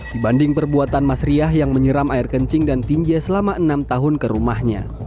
dibanding perbuatan mas riah yang menyiram air kencing dan tinggi selama enam tahun ke rumahnya